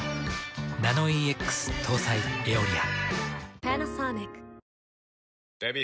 ナノイーＸ搭載「エオリア」。